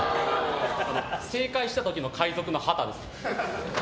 正解した時の海賊の旗です。